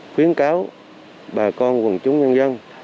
khuyến cáo bà con quần chúng nhân dân